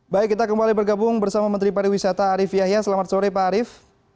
baik kita kembali bergabung bersama menteri pariwisata arief yahya selamat sore pak arief